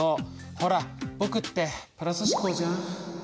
ほら僕ってプラス思考じゃん。